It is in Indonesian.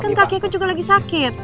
kan kakinya juga lagi sakit